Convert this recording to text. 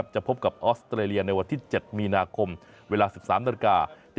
จะพบกับออสเตรเลียในวันที่๗มีนาคมเวลา๑๓นาฬิกา